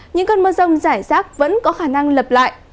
những cơn mưa rông rải rác vẫn có khả năng lập lại